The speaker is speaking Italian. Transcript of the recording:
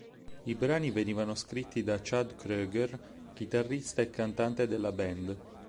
I brani venivano scritti da Chad Kroeger, chitarrista e cantante della band.